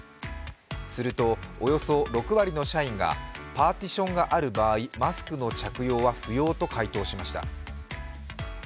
すると、およそ６割の社員がパーティションがある場合マスクの着用は不要と解答しました。